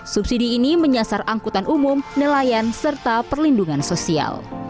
subsidi ini menyasar angkutan umum nelayan serta perlindungan sosial